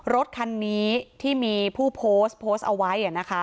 รถคันนี้ที่มีผู้โพสต์โพสต์เอาไว้